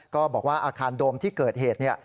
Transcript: ก็บอกว่าอาคารโดมที่เกิดเหตุ